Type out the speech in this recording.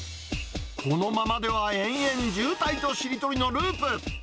このままでは延々渋滞としりとりのループ。